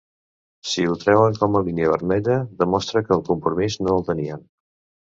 Si ho treuen com a línia vermella demostra que el compromís no el tenien.